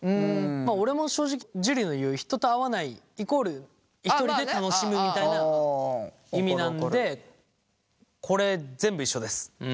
まあ俺も正直樹の言う人と会わないイコールひとりで楽しむみたいな意味なのでこれ全部一緒です。